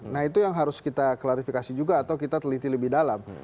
nah itu yang harus kita klarifikasi juga atau kita teliti lebih dalam